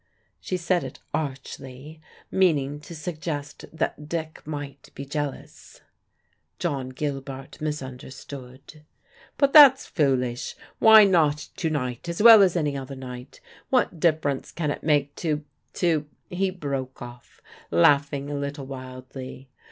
She said it archly, meaning to suggest that Dick might be jealous. John Gilbart misunderstood. "But that's foolish. Why not to night as well as any other night? What difference can it make to to " He broke off, laughing a little wildly.